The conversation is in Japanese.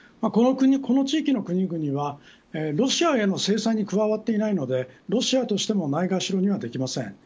これらの国々はロシアへの制裁に加わっていないのでロシアとしてもないがしろにはできません。